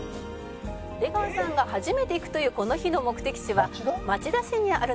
「出川さんが初めて行くというこの日の目的地は町田市にあるのだそう」